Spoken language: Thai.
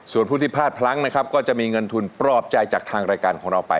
ส่วนผู้ที่พลาดพลั้งนะครับก็จะมีเงินทุนปลอบใจจากทางรายการของเราไป